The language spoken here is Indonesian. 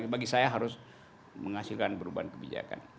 bagi saya harus menghasilkan perubahan kebijakan